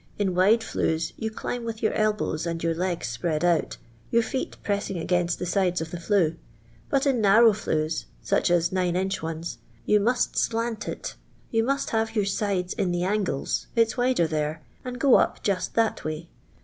la wide flues you climb with your elbows and you legs spread out, your feet pressing against the sides of the Ibie ; but in narrow dues, such ii i nine inch ones, you must slant it : you must hats i your sides in the angles, it 's wider there, and go \ up just that way."